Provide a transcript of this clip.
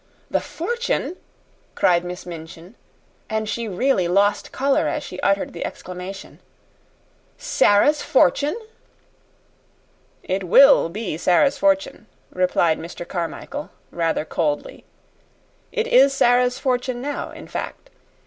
"The fortune!" cried Miss Minchin; and she really lost color as she uttered the exclamation. "Sara's fortune!" "It WILL be Sara's fortune," replied Mr. Carmichael, rather coldly. "It is Sara's fortune now, in fact.